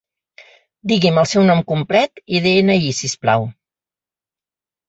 Digui'm el seu nom complet i de-ena-i si us plau.